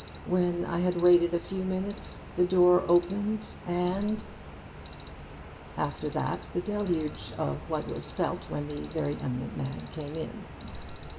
When I had waited a few minutes, the door opened and' after that the deluge of what was felt when the very eminent man came in.